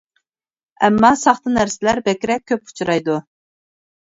ئەمما ساختا نەرسىلەر بەكرەك كۆپ ئۇچرايدۇ.